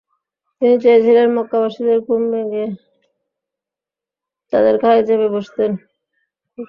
তিনি চেয়েছিলেন, মক্কাবাসীদের ঘুমে রেখে তাদের ঘাড়ে চেপে বসবেন।